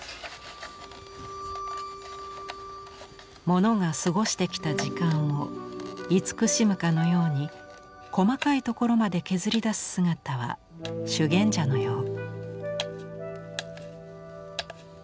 モノが過ごしてきた時間を慈しむかのように細かいところまで削り出す姿は修験者のよう。